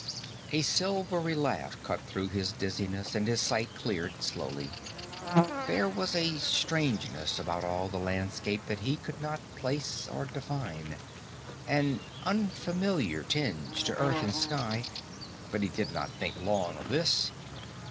A silvery laugh cut through his dizziness, and his sight cleared slowly. There was a strangeness about all the landscape that he could not place or define an unfamiliar tinge to earth and sky. But he did not think long of this.